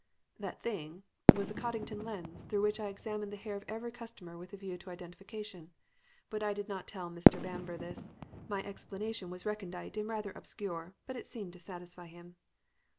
"'That thing' was a Coddington lens, through which I examined the hair of every customer with a view to identification. But I did not tell Mr. Bamber this. My explanation was recondite and rather obscure, but it seemed to satisfy him.